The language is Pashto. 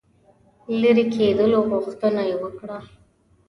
لیري کېدلو غوښتنه یې وکړه.